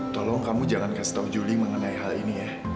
tolong kamu jangan kasih tahu juli mengenai hal ini ya